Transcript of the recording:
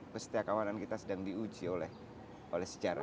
pesteak awanan kita sedang diuji oleh sejarah